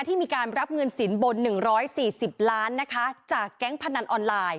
ที่มีการรับเงินสินบนหนึ่งร้อยสี่สิบล้านนะคะจากแก๊งพนันออนไลน์